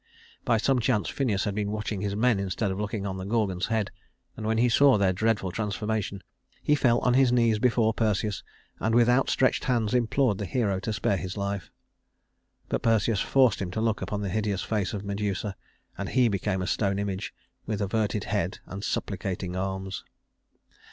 By some chance Phineus had been watching his men instead of looking at the Gorgon's head; and when he saw their dreadful transformation, he fell on his knees before Perseus, and with outstretched hands implored the hero to spare his life. But Perseus forced him to look upon the hideous face of Medusa, and he became a stone image with averted head and supplicating arms.